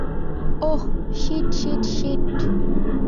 Oh, shit, shit, sheet.